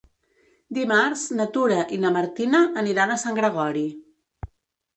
Dimarts na Tura i na Martina aniran a Sant Gregori.